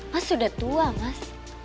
mas udah tua mas